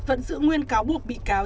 vẫn giữ nguyên cáo buộc bị cáo